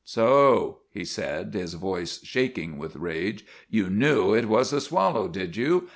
"So!" he said, his voice shaking with rage, "you knew it was the Swallow, did you?